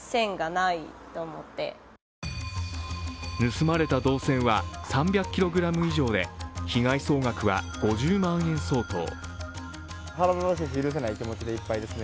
盗まれた銅線は３００ｋｇ以上で被害総額は５０万円相当。